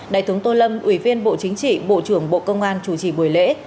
đại tướng tô lâm ủy viên bộ chính trị bộ trưởng bộ công an chủ trì buổi lễ